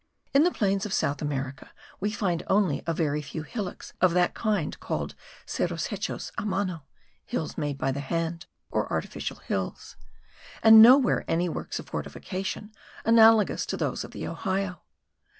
In the plains of South America we find only a very few hillocks of that kind called cerros hechos a mano;* (* Hills made by the hand, or artificial hills.) and nowhere any works of fortification analogous to those of the Ohio.